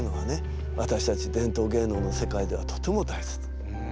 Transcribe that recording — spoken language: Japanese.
わたしたち伝統芸能の世界ではとても大切。